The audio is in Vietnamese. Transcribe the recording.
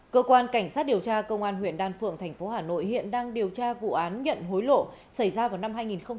cơ quan cảnh sát điều tra công an huyện đan phượng thành phố hà nội hiện đang điều tra vụ án nhận hối lộ xảy ra vào năm hai nghìn hai mươi hai